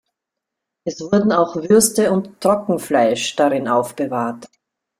Es wurden auch Würste und Trockenfleisch darin aufbewahrt.